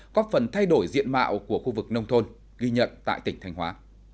góp phần thay đổi diện mạo của khu vực nông thôn ghi nhận tại tỉnh thành hóa